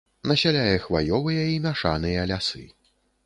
Насяляе хваёвыя і мяшаныя лясы.